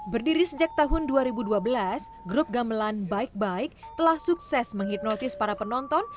berdiri sejak tahun dua ribu dua belas grup gamelan bike bike telah sukses menghipnotis para penonton